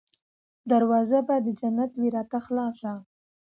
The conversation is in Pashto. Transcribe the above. دروازه به د جنت وي راته خلاصه